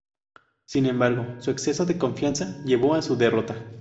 Sin embargo, su exceso de confianza llevó a su derrota.